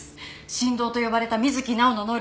神童と呼ばれた水木直央の能力